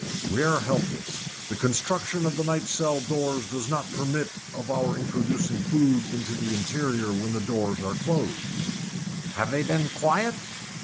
"We are helpless. The construction of the night cells does not permit of our introducing food into the interior when the doors are closed." "Have they been quiet?"